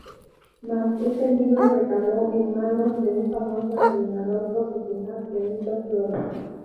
Mas ese libro recaló en manos de un famoso entrenador profesional, Benito Floro.